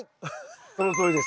そのとおりです。